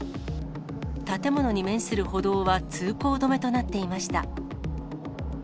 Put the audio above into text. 建物に面する歩道は通行止めとなっていました。